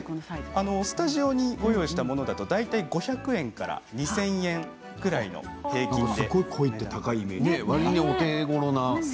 スタジオに用意したものは５００円から２０００円ぐらいの平均で。